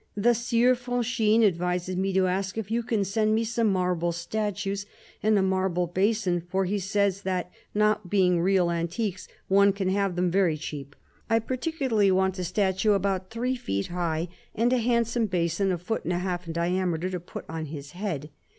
" The Sieur Franchine advises me to ask if you can send me some marble statues and a marble basin; for he says that, not being real antiques, one can have them very cheap. I particularly want a statue about three feet high, and a handsome basin a foot and a half in diameter, to put on his head.